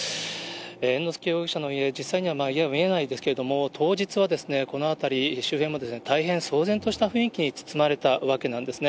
猿之助容疑者の家、実際には家は見えないですけれども、当日はこの辺り、周辺も大変騒然とした雰囲気に包まれたわけなんですね。